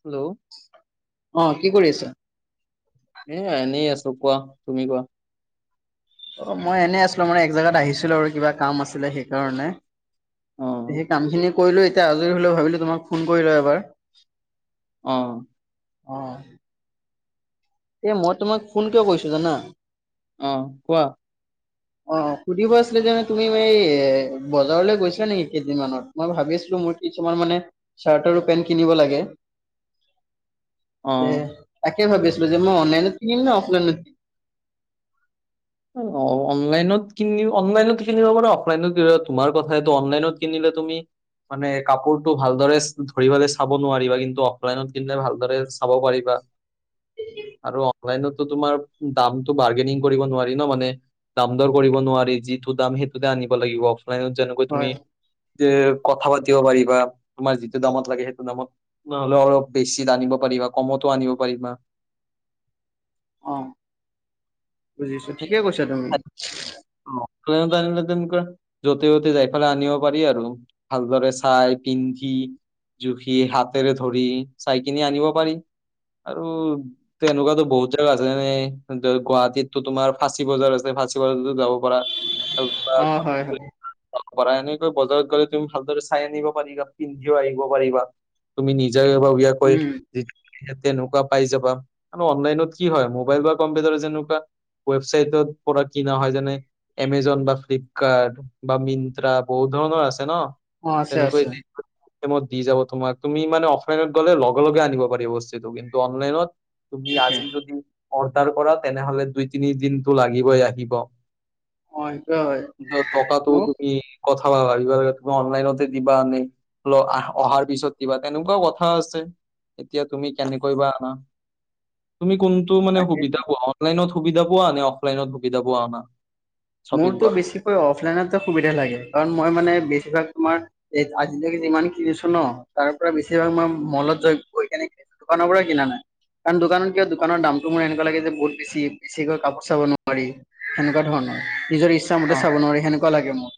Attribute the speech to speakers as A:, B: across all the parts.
A: Hello
B: অ কি কৰি আছা?
A: এ এনেই আছো কোৱা তুমি কোৱা।
B: অ মই এনে আছিলো মানে এক জাগাত আহিছিলো আৰু কিবা কাম আছিলে। সেইকাৰণে।
A: অ
B: সেই কামখিনি কৰিলো এতিয়া আজৰি হলে ভাবিলোঁ তোমাক ফোন কৰি ল এবাৰ।
A: অ
B: হয়। এ মই তোমাক ফোন কিয় কৈছো জানা।
A: অ কোৱা।
B: অ সুধিব আছিলে যে তুমি এই বজাৰলৈ গৈছিলা নেকি কেইদিন মানত মই ভাবিছিলো। মোৰ কিছুমান মানে চাৰ্ট আৰু পেন্ট কিনিব লাগে।
A: অ
B: তে। কি ভাবেছ যে মই অনলাইনত দিম নে অফলাইনত দিম।
A: অনলাইনত কিনি অনলাইনত কিনিব পাৰে অফলাইনত তোমাৰ কথাটো অনলাইনত কিনিল। তুমি। মানে কাপোৰতটো ভালদৰে ধৰিবলৈ চাব নোৱাৰিবা কিন্তু অফলাইনত কিনিলে ভালদৰে চাব পাৰিবা। আৰু অনলাইনতো তোমাৰ দামতটো মাৰ্গেনিং কৰিব নোৱাৰি। ন মানে দাম দৰ কৰিব নোৱাৰি যিটো দাম সেইটোতে আনিব লাগিব। যেনেকৈ
B: হয়
A: তুমি যে কথা পাতিবা। পাৰিবা তুমাৰ যিটো দামত লাগে সেইটো দামত নহলে অলপ বেছিত আনিব পাৰিবা কমতো আনিব পাৰিবা। পাৰিবা।
B: অ বুজিছো ঠিকে কৈছা তুমি।
A: আনিলে তেনেকুৱা য'তে য'তে যাইফালে আনিব পাৰি আৰু ভালদৰে চাই পিন্ধি। জুখি হাতেৰে ধৰি চাইকিনি আনিব পাৰি। আৰু তেনেকুৱাতো বহুত জেগা আছে যেনে গুৱাহাটীত। টো তোমাৰ ফাঁচী বজাৰ আছে ফাঁচী বজাৰতো যাব পাৰাৰ।
B: অ হয় হয়
A: এনেকৈ বজাৰত গলে তুমি ভালদৰে চাই আনিব পাৰিবা পিন্ধিও আহিব পাৰিবা তুমি নিজ। জ ভাবিয়।
B: উম।
A: তেনেকুৱা পাই যাবা ম অনলাইনত কি হয় মোবাইল বা কম্পিউটাৰ যেনেকুৱা। ৱেবছাইটৰ পৰা কিনা হয় যেনে এমাজন বা ফ্লিপকাৰ্ট বা মিন্ত্ৰা বহুত। ধৰণৰ আছে ন।
B: অ আছে আছে।
A: ত দি যাব তোমাক তুমি মানে অফলাইনত গ'লে লগে লগে আনিব পাৰি বস্তুটো কিন্তু অনলাইনত। তুমি
B: তাকে
A: আজি যদি অৰ্ডাৰ কৰা তেনেহলে দুই তিনি দিনটো লাগিবই আহিব।
B: অ সেইটোৱে হয়
A: টকাতো
B: মোক
A: তুমি কথা। খাবা এই তুমি অনলাইনতে দিবা আনে। আহ অহাৰ পিছত কিবা তেনেকুৱা কথা আছে এতিয়া তুমি কেনেকৈ বা আনা।
B: [unintelligible]
A: তুমি কোনটো মানে
B: তাকেইতো
A: সুবিধা পোৱা অনলাইনত সুবিধা পোৱা নে অফলাইনত সুবিধা পোৱা। শ্বপিং
B: মোৰতো
A: কৰা
B: বেছিকৈ অফলাইনত সুবিধা লাগে কাৰণ মই মানে। বছিভাগ তোমাৰ এই আজিলৈকে যিমান কিনিছো ন তাৰ পৰা বেছিভাগ তমাৰ মলত য গৈ কেনে। দোকানৰ পৰা কিনা নাই। কাৰণ দোকানত কিয়
A: অ
B: দোকানৰ দামটো মোৰ এনেকুৱা লাগে যে বহুত বেছি বেছিকৈ কাপোৰ চাব নোৱাৰি সনেকুৱা ধৰণৰ। নিজৰ ইচ্ছাতে
A: অ
B: চাব নোৱি সনেকুৱা লাগে মোৰ।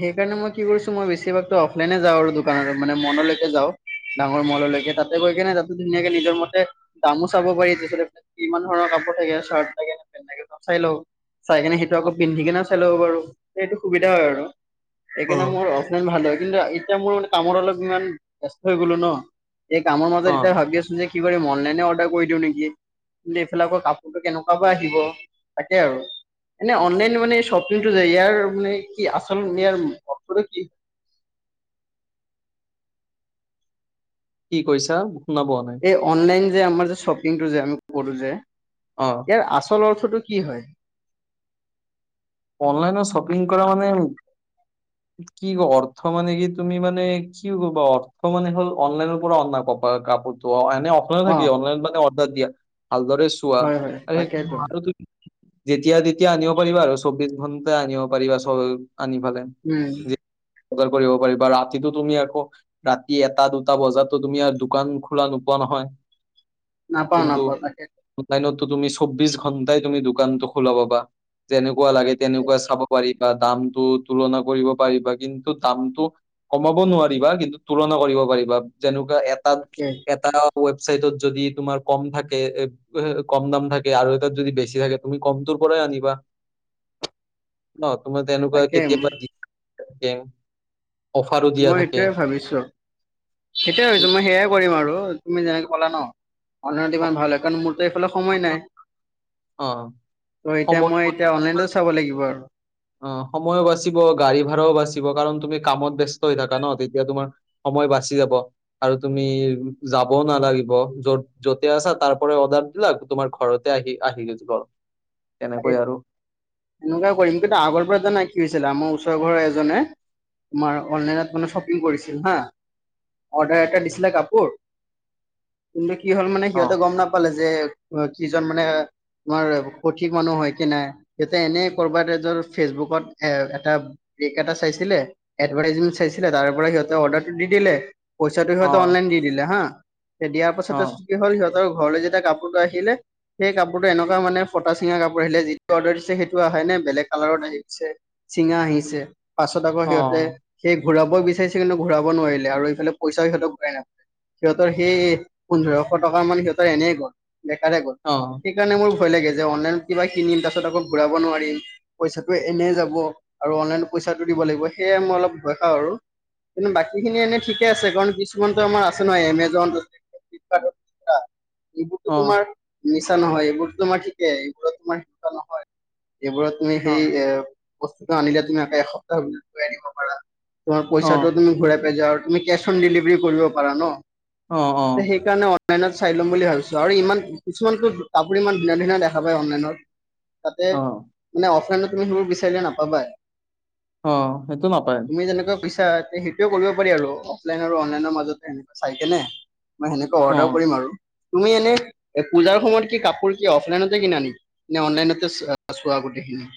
B: সেই কাৰণে মই কি কৰিছো মই বেছিভাগতো অফলাইনে যাও আৰু দোকানত মানে মনলৈকে যাওঁ। ডাঙৰ মললৈকে তাতে গৈ কেনে তাতো ধুনীয়াকে নিজৰ মতে দামো চাব পাৰি য ইমান ধৰণৰ ক। থাকোৰ্ লে পে চাই ল চাই। সেইটো
A: অ
B: আকৌ পিন্ধি কিনে চাই ল'ব বাৰো সেইটো সুবিধা হয় আৰু।
A: অ
B: সেইকাৰণে মোৰ অফলাইন ভাল হয় কিন্তু এতিয়া মোৰ মানে কামৰ অলপ ইমান ব্যস্ত হৈ গলো ন। এই কামৰ মাজত
A: অ।
B: এতিয়া ভাবি আছো যে কি কৰিম অনলাইনে অৰ্ডাৰ কৰি দিও নেকি। কিন্তু এইফালে আক কাপোৰটো কেনেকুৱা বা আহিব তাকে আৰু। এনে অনলাইন মানে শ্বপিংটো যায় ইয়াৰ মানে কি আচল ইয়াৰ অৰ্থটো কি হয়। [unintelligible]
A: কি কৈছা। শুনা পোৱা নাই
B: এই অনলাইন যে আমাৰ যে শ্বপিংটো যে আমি কৰো যে
A: অ
B: ইয়াৰ আচল অ। ৰ্থটো কি হয়।
A: অনলাইন শ্বপিং কৰা মানে। কি অৰ্থ মানে কি তুমি মানে কি কবা অৰ্থ মানে হ'ল অনলাইনৰ পৰা অনা কৰা। কাপাৰ কাপোৰ টো অহ মানে অফলাইন
B: অ',
A: থাকে অনলাইন মানে অৰ্ডাৰ দিয়া ভালদৰে চোৱা
B: হয় হয়
A: আৰু
B: তাকেইতো
A: সেই আৰু। যেতিয়া তেতিয়া আনিব পাৰিবা আৰু চৌবিশ ঘণ্টা আনিব পাৰিবা চ। আনি পালে
B: উম,
A: বজাৰ কৰিব পাৰিবা ৰাতিতো তুমি আকৌ ৰাতি এটা দুটা বজাতো তুমি আৰু দোকান খোলা নোপোৱা ন। হয়
B: নাপাওঁ নাপাওঁ তাকে
A: অনলাইনতো তুমি চৌবিশ ঘন্টাই তুমি দোকানটো খোলা পাবা যেনেকুৱা লাগে
B: তাকে
A: তেনেকুৱা চাব পাৰি বা দামটো তুলনা কৰিব পাৰিবা। কিন্তু দামটো, কমাব নোৱাৰিবা, কিন্তু তুলনা কৰিব পাৰিবা যেনেকুৱা এটাত
B: তাকে
A: এটা ৱেবছাইটত যদি তোমাৰ কম থাকে কম দাম থাকে আৰু এটাত যদি বেছি থাকে তুমি কমটো তো পৰাই আনিবা। ন তোমাৰ তেনেকুৱা
B: তাকে
A: কেতিয়াবা, অফাৰো দিয়া
B: মই
A: থাকে
B: সেইটোয়ে ভাবিছো সেইটোয়ে ভাবিছো। মই সেইয়াই কৰিম আৰু তুমি যেনেকে কলা ন, অনলাইন ভাল হয় কাৰণ মোৰ এইফালে সময় নাই
A: অ
B: ত এতিয়া মই
A: সময়
B: এতিয়া অনলাইনে চাব লাগিব আৰু
A: অ সময়ো বাচিব গাড়ী ভাড়াও বাচিব কাৰণ তুমি কামত ব্যস্ত হৈ থাকা ন তেতিয়া তোমাৰ সময় বাচি যাব আৰু তুমি যাবও নালাগিব যত যতে আছা তাৰ পৰা অৰ্ডাৰ বস্তুবিলাক লাক, তোমাৰ ঘৰতে আহি আহি যাব
B: এনেকুৱা কৰিম কিন্তু আগৰ পৰা জানাই কি হৈছিলে আমাৰ ওচৰ ঘৰৰ এজনে, তোমাৰ অনলাইনত মানে শ্বপিং কৰিছিল হা। অৰ্ডাৰ এটা দিছিলে কাপোৰ কিন্তু কি হ'ল মানে
A: অ
B: সিহঁতে গম নাপালে যে কিজন মানে তোমাৰ সঠিক মানুহ হয় কি নাই এতে এনে কৰবাত এজৰ ফেচবুকত এ এটা ব্ৰেক এটা চাইছিল এডভাৰটাইজমেট চাইছিলে তাৰ পৰা সিহঁতে অৰ্ডাৰটো দি দিলে, পইচাটো
A: অ
B: হয়ত অনলাইন দি দিলে হা দিয়াৰ
A: অ
B: পাছতত কি হ'ল সিহঁতৰ ঘৰলৈ যেতিয়া কাপোৰটো আহিলে সেই কাপোৰটো এনেকুৱা মানে ফটা চিঙা কাপোৰ আহিলে যিটো অৰ্ডাৰ দিছে সেইটো আহাই নাই, বেলেগ কালাৰত আহিছে চিঙা আহিছে পাছত আকৌ
A: অ
B: সিহঁতে সেই ঘূৰাব বিচাৰিছে কিন্তু ঘূৰাব নোৱাৰিলে আৰু এইফালে পইচাও সিহঁতে ঘূৰাই নাপায়। সিহঁতৰ সেই পোন্ধৰশ টকা মান সিহঁতৰ এনেই গল দেখাৰে গ'ল
A: অ
B: সেইকাৰণে মোৰ ভয় লাগে। যে অনলাইন কিবা কিনিম তাচত আকৌ ঘোৰাব নোৱাৰিম, পইচাটো এনে যাব আৰু লাগিব। সেয়ে মই অলপ ভয় খাওঁ আৰু। কিন্তু বাকী খিনি এনেই ঠিকে আছে কাৰণ কিছুমানতো আমাৰ আছে ন এমেজন ফ্লিপকাৰ্ট আছে না এইবোৰতো
A: অ অ অ
B: তোমাৰ মিছা নহয় এইবোৰতো তোমাৰ ঠিকেই এইবোৰত তোমাৰ মিছা নহয় এইবোৰত তুমি সেই এ বস্তুটো আনিলে তুমি আকৌ এসপ্তাহ ভিতৰত ঘূৰাই দিব পাৰা। তোমাৰ
A: অ
B: পইচাটো তুমি ঘূৰা পাই যা আৰু তুমি কেচ অন ডেলিভাৰী কৰিব পাৰা ন
A: অ
B: সেইকাৰণে অনলাইনত চাই ল'ম বুলি ভাবিছো আৰু ইমান কিছুমানতো কাপোৰ ইমান ধুনীয়া ধুনীয়া দেখা পায় অনলাইনত। তাতে
A: অ
B: মানে অফলাইনত তুমি সেইবোৰ বিচাৰিলে নাপাবাই
A: অ সেইটো নাপায়।
B: পইছা সেইটোৱে কৰিব পাৰি আৰু অফলাইন আৰু অনলাইনৰ মাজতে চাই কেনে। মই সেনেকে অৰ্ডাৰ
A: অ
B: কৰিম আৰু। তুমি এনে পূজাৰ সময়ত কি কাপোৰ কি অফলাইনত কিনা নি, নে অনলাইন চোৱা গোটেইখিন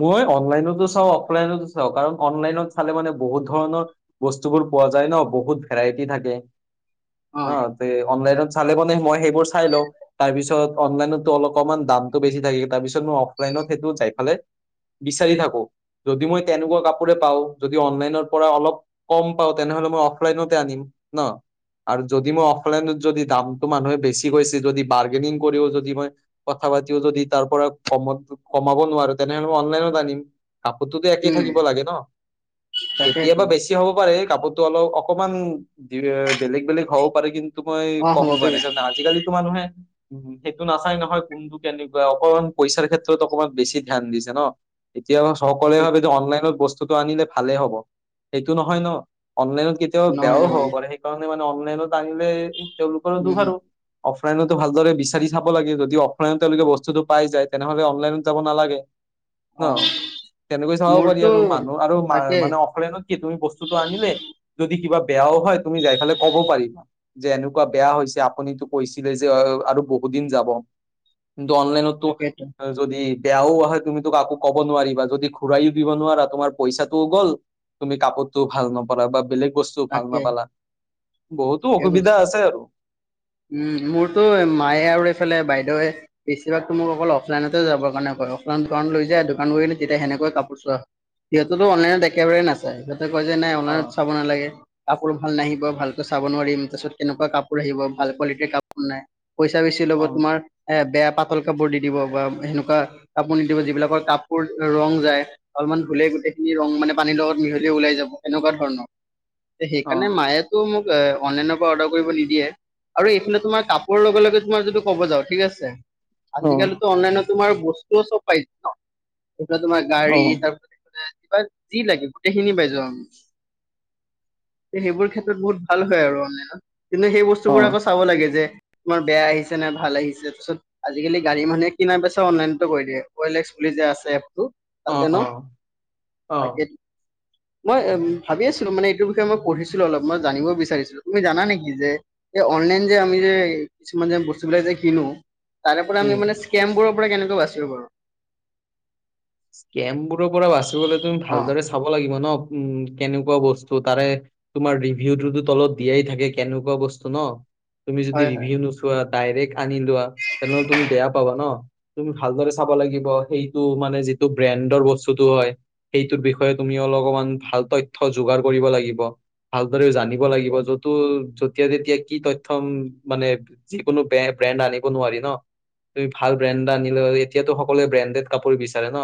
A: মই অনলাইনতো চাওঁ অফলাইনতো চাওঁ কাৰণ অনলাইনত চালে মানে বহুত ধৰণৰ বস্তুবোৰ পোৱা যাই ন‌ বহুত ভেৰাইটি থাকে।
B: অ
A: হ তে অনলাইনত চালে মানে মই সেইবোৰ চাই লওঁ। তাৰপিছত অনলাইনতো অকমান দামতটো বেছি থাকে তাৰপিছত মই অফলাইন‌ ত সেইটো যাই ফালে বিচাৰি থাকো যদি মই তেনেকুৱা কাপোৰে পাওঁ যদি অনলাইনৰ পৰা অলপ কম পাওঁ তেনেহলে মই অফলাইনতে আনিম ন, আৰু যদি মই অফলাইনত যদি দামতটো মানুহে বেছি কৈছে যদি বাৰ্গেনিং কৰিও যদি মই ক কথা পাতিও যদি তাৰ পৰা কমত কমাব নোৱাৰো তেনেহ'লে মই অনলাইনত আনিম কাপোৰটোতো একেই
B: উম
A: থাকিব লাগে ন
B: তাকেইতো
A: কেতিয়াবা বেছি হব পাৰে কাপোৰতো অলপ অকমান বেলেগ বেলেগ হব পাৰে কিন্তু মই
B: অ হ'ব
A: কমটো
B: পাৰে
A: বিচাৰো নাই আজি কালিতো মানুহে উ সেইটো নাচাই নহয় কোনটো কেনেকুৱা অকমান পইচাৰ ক্ষেত্ৰত অকমান বেছি ধ্যান দিছে ন এতিয়া সকলোৱে
B: তাকে
A: ভাবে যে অনলাইনত বস্তুটো আনিলে ভালেই হ'ব সেইটো নহয় ন অনলাইনত কেতিয়াবা
B: নহয়
A: বেয়াও হ'ব
B: নহয়
A: পাৰে সেইকাৰণে মানে অনলাইনত আনিলে তেওঁলোকৰ দুঃখ
B: উম
A: আৰু অফলাইনতো ভালদৰে বিচাৰি চাব লাগে যদি অফলাইনত তেওঁলোকে বস্তুতটো পাই যায় তেনেহলে অনলাইনত যাব নালাগে
B: অ
A: ন তেনেকৈ চাব পাৰি
B: মোৰতো
A: আৰু মানুহ আৰু
B: তাকে
A: মানে অফলাইনত কি তুমি বস্তুটো আনিলে যদি কিবা বেয়াও হয় তুমি যাই ফালে ক'ব পাৰিবা যে এনেকুৱা বেয়া হৈছে আপুনিতো কৈছিলে যে আৰু বহুত দিন যাব
B: [unintelligible]
A: কিন্তু অনলাইনততো
B: তাকেইতো
A: যদি বেয়াও আহে তুমিতোক কাকো ক'ব নোৱাৰিবা যদি ঘূৰাইয়ো দিব নোৱাৰা তোমাৰ পইচাটোও গ'ল তুমি কাপোৰতটোও ভাল নাপালা বা বেলেগ বস্তু ভাল
B: তাকে
A: নাপালা বহুতো
B: ঠিকে কৈছা
A: অসুবিধা আছে আৰু
B: উম মোৰতো মায়ে আৰু এইফালে বাইদেউ বেছিভাগতো মোক অকল অফলাইনতে যাব কাৰণে কয় অফলাইন দোকান লৈ যায় দোকান গলো তেতিয়া সেনেকুৱা কাপোৰ চোৱা সিহঁতেতো অনলাইন একেবোৰে নাচাই সিহঁতে কয় যে নাই
A: অ
B: অনলাইনত চাব নালাগে কাপোৰ ভাল নাহিব ভালকৈ চাব নোৱাৰিম তাৰ পিছত কেনেকুৱা কাপোৰ আহিব ভাল কোৱালিটিৰ কাপোৰ নাই পইচা বেছি ল'ব
A: অ
B: তোমাৰ এ বেয়া পাতল কাপোৰ দি দিব বা সেনেকুৱা কাপোৰ নিদিব যিবিলাকৰ কাপোৰ ৰং যায় অলমান ধুলে গোটেইখিনি ৰং মানে পানীৰ লগত মিহলি ওলাই যাব এনেকুৱা ধৰণৰ
A: অ
B: সেইকাৰণে মায়েতো মোক এ অনলাইনৰ পৰা অৰ্ডাৰ কৰিব নিদিয়ে আৰু এইফালে তোমাৰ কাপোৰ লগে লগে তোমাৰ যদি কব যাও ঠিক আছে আজিকালিতো অনলাইনত তোমাৰ বস্তুও চব পাই যাওঁ তাতে তোমাৰ
A: অ অ
B: গাড়ী তাৰপিছত এইফালে কিবা যি লাগে গোটেইখিনি পাই যাওঁ আমি সেইবোৰ ক্ষেত্ৰত বহুত ভাল হয় আৰু অনলাইনত কিন্তু সেই বস্তুবোৰ আকৌ
A: অ
B: চাব লাগে যে তোমাৰ বেয়া আহিছে নাই ভাল আহিছে তাৰিছত আজিকালি গাড়ী মানুহে কিনা বেচাও অনলাইনতে কৰি দিয়ে অইলেস্ক বুলি যে আছে এপটো থাকে ন
A: অ অ
B: তাকে টো নহয় এ ভাবিছো মানে এইটো বিষয়ে মই পঢ়িছিলো অলপ মই জানিব বিচাৰিছিলো তুমি জানা নিকি যে এই অনলাইন যে আমি যে কিছুমান যে বস্তুবিলাক যে কিনো তাৰে পৰা আমি
A: উম
B: মানে স্কেমবোৰৰ পৰা কেনেকৈ বাচিব পাৰো
A: স্কমবোৰ পৰা বাচিবলে তুমি
B: অ
A: ভালদৰে চাব লাগিব ন উম কেনেকুৱা বস্তু তাৰে তোমাৰ ৰিভিউটোতো তলত দিয়াই থাকে কেনেকুৱা বস্তু ন তুমি যদি
B: হয় হয়
A: ৰিভিউ নোচোৱা ডাইৰেক্ট আনি লোৱা তেনেহ'লে তুমি বেয়া পাবা ন তুমি ভালদৰে চাব লাগিব সেইটো মানে যিটো ব্ৰেণ্ডৰ বস্তুটো হয় সেইটোৰ বিষয়ে তুমি অলকমান ভাল তথ্য যোগাৰ কৰিব লাগিব ভাল জানিব লাগিব
B: ঠিকে।
A: য'তো সি যত তেতিয়া তেতিয়া কি তথ্যম মানে যিকোনো বেয়া ব্ৰেণ্ড আনিব নোৱাৰি ন তুমি ভাল ব্ৰেণ্ড আনিল এতিয়াতো সকলোৱে ব্ৰেণ্ডেড কাপোৰ বিচাৰে ন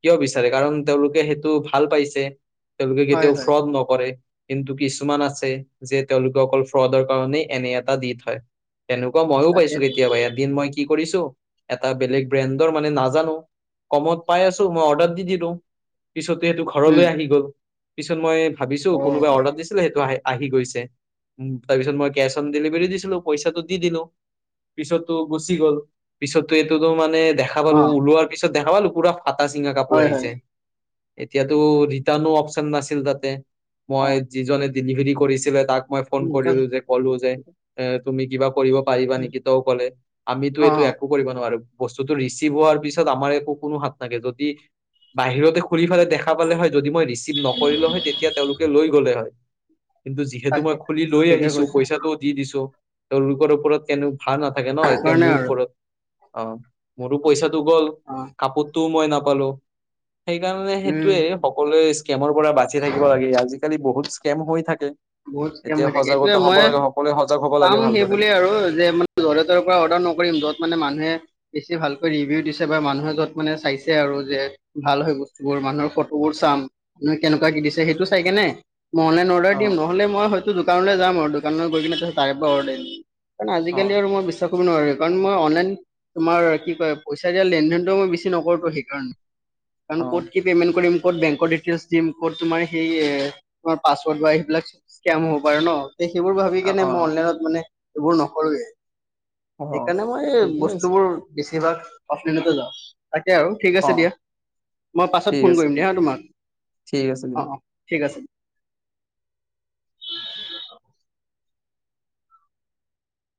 A: কিয় বিচাৰে কাৰণ তেওঁলোকে সেইটো ভাল পাইছে তেওঁলোকে
B: হয়
A: কেতিয়াও
B: হয়
A: ফ্ৰড নকৰে কিন্তু কিছুমান আছে যে তেওঁলোকে অকল ফ্ৰডৰ কাৰণেই এনে এটা দি থয় তেনেকুৱা মইও পাইছো
B: তাকেইতো
A: কেতিয়াবা এদিন মই কি কৰিছো এটা বেলেগ বেইন্দৰ মানে নাজানো পাই আছো মই অৰ্ডাৰ দি দিলো পিছত এটো
B: উম
A: ঘৰলৈ আহি গল পিছত মই ভাবিছো
B: অ
A: কোনোব অৰ্ডাৰ দিছিলে সেইটো আহে আহি গৈছে উম তাৰপিছত মই কেচ অন ডেলিভাৰী দিছিলো পইচাটো দি দিলো পিছতো গুচি গ'ল পিছতো এইটোতো মানে দেখা পালো
B: অ
A: ওলোৱাৰ পিছত দেখা পালো পুৰা ফাটা চিঙা কাপোৰ
B: হয় হয়
A: আহিছে এতিয়াতো ৰিটাৰ্ণো অপচন নাছিল তাতে
B: অ
A: মই যিজনে ডেলিভাৰি কৰিছিলে তাক মই ফোন
B: উম, তাক-
A: কৰিলোঁ যে কলোঁ যে তুমি কিবা কৰিব পাৰিবা
B: উম,
A: নেকি ত কলে আমিতো
B: অ
A: এইটো
B: অ,
A: একো কৰিব নোৱাৰো বস্তুটো ৰিচিভ হোৱাৰ পিছত আমাৰ একো কোনো হাত [unintelligible] যদি বাহিৰতে খুলি ফেলে দেখা পালে হয় যদি মই ৰিচিভ নকৰিলো হয় তেতিয়া তেওঁলোকে লৈ গ'লে হয় কিন্তু যিহেতু
B: তাকে
A: মই খুলি
B: তাকে
A: লৈ
B: ঠিকে
A: আহিছো
B: কৈছা
A: পইচাটোও দি দিছো তেওঁলোকৰ ওপৰত কেনে ভাল নাথাকে ন এতিয়া
B: সেইকাৰণে
A: মোৰ
B: আৰু
A: ওপৰত অ মোৰো পইচাটো গ'ল
B: অ
A: কাপত তো মই নাপালো সেইকাৰণে
B: উম
A: সেইটোয়ে সকলোৱে স্কেমৰ পৰা বাচি থাকিব লাগে আজিকালি বহুত স্কেম হৈ থাকে এতিয়া সজাগতা হ'ব লাগে সকলোৱে সজাগ হব
B: চাম
A: লাগে
B: সেই
A: ভালদৰে
B: বুলিয়ে আৰু যে মানেলে তৰ পৰা অৰ্ডাৰ নকৰিম যত মানে মানুহে বেছি ভালকৈ ৰিভিউ দিছে বা মানুহে য'ত মানে চাইছে আৰু যে ভাল হয় বস্তু বোৰ মানুহৰ ফটোবোৰ চা কেনেকুৱা দিছে সেইটো চাই কেনে অৰ্ডাৰ
A: অ
B: দিম নহ'লে মই হয়তো দোকানলৈ যাম আৰু দোকানলৈ গৈ কিনে ত তাৰে পৰা অৰ্ডাৰ দিম কাৰণে
A: অ
B: আজিকালি আৰু মই বিশ্বাস কৰিব নোৱাৰো কাৰণ মই অনলাইন তোমাৰ কি কয় পইচা দিয়া লেনদেনটো মই বেছি নকৰোতো সেইকাৰণে কাৰণ
A: অ
B: ক'ত কি পেমেন্ট কৰিম ক'ত বেংকৰ ডিটেইলছ দিম ক'ত তোমাৰ সেই তোমাৰ পাছৱৰ্ড বা এইবিলাক হব পাৰে ন সেইবোৰ ভাবি
A: অ
B: কেনে মই অনলাইনত মানে এইবোৰ নকৰোৱেই
A: অ অ
B: সেইকাৰণে মই
A: ঠিকেই আছে
B: বস্তুবোৰ বেছিভাগ অফলাইতে লওঁ তাকে আৰু ঠিক
A: অ
B: আছে দিয়া মই পাছত
A: ঠিক
B: ফোন
A: আছে
B: কৰিম দিয়া হা তোমাক
A: ঠিক আছে দিয়া
B: অ অ ঠিক আছে [unintelligible]